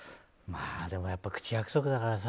でもやっぱり口約束だからさ。